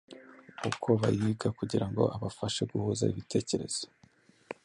uko bayiga kugirango abafahe guhuza ibitekerezo